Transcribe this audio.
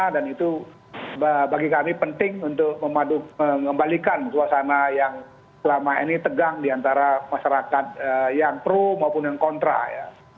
dan itu bagi kami penting untuk mengembalikan suasana yang selama ini tegang diantara masyarakat yang pro maupun yang kontra ya